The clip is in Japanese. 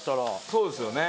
そうですよね。